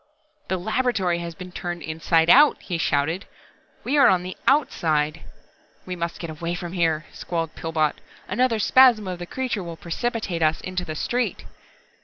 "The laboratory has been turned inside out!" he shouted. "We are on the outside!" "We must get away from here," squalled Pillbot. "Another spasm of the creature will precipitate us into the street!"